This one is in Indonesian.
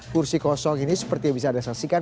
kursi kosong ini seperti yang bisa anda saksikan